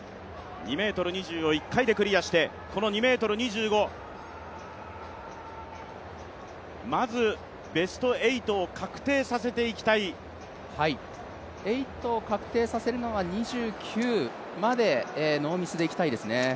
２ｍ２０を１回でクリアして、この２ｍ２５、まずベスト８を確定させていきたい８を確定させるのは、２９までノーミスでいきたいですね。